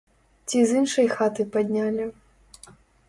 Ці з іншай хаты паднялі.